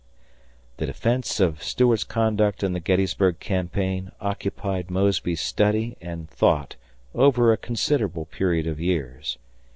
[The defence of Stuart's conduct in the Gettysburg campaign occupied Mosby's study and thought over a considerable period of years.